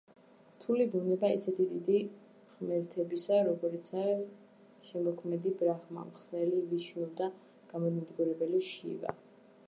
რთული ბუნება ისეთი დიდი ღმერთებისა, როგორიცაა შემოქმედი ბრაჰმა, მხსნელი ვიშნუ და გამანადგურებელი შივა.